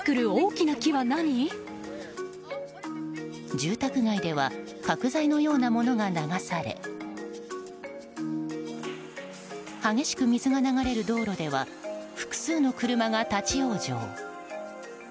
住宅街では角材のような物が流され激しく水が流れる道路では複数の車が立ち往生。